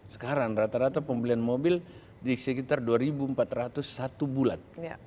sekarang rata rata pembelian mobil di sekitar dua empat ratus satu bulan